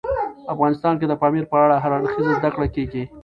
افغانستان کې د پامیر په اړه هر اړخیزه زده کړه کېږي.